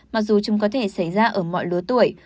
mặc dù chúng có thể xảy ra ở mọi lứa tuổi